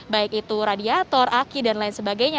baik itu radiator aki dan lain sebagainya